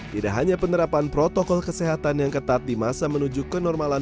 tidak hanya penerapan protokol kesehatan yang ketat di masa menuju kenormalan